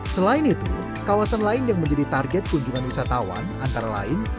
selain itu kawasan lain yang menjadi target kunjungan wisatawan antara lain